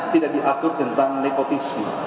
tidak diatur tentang nepotisme